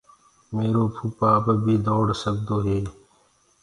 ميرو ڀوپآ اب بي دوڙ سگدو هي۔